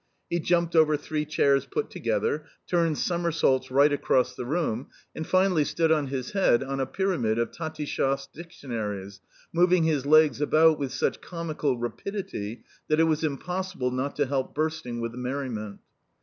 He jumped over three chairs put together, turned somersaults right across the room, and finally stood on his head on a pyramid of Tatistchev's dictionaries, moving his legs about with such comical rapidity that it was impossible not to help bursting with merriment.